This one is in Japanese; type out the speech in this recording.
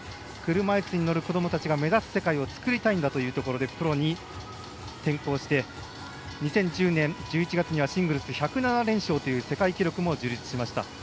車いすに乗る子どもたちが目指す世界を作りたいんだという思いでプロに転向して２０１０年１１月にはシングルス１０７連勝という世界記録も樹立しました。